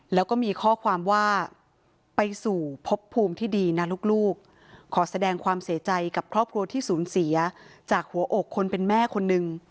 แล้วก็มีข้อความว่าไปสู่พบภูมิที่ดีนะลูกขอแสดงความเสียใจกับครอบครัวที่สูญเสียจากหัวอกคนเป็นแม่คนนึง